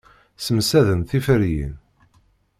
Ssemsaden tiferyin.